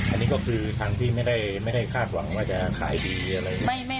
อันนี้ก็คือทางที่ไม่ได้คาดหวังว่าจะขายดีอะไร